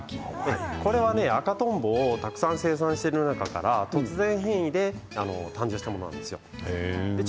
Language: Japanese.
赤とんぼをたくさん生産している中から突然変異で誕生したものなんです。